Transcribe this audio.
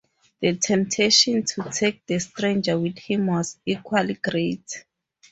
The temptation to take the stranger with him was equally great.